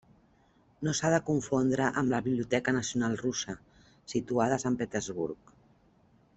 No s'ha de confondre amb la Biblioteca Nacional Russa, situada a Sant Petersburg.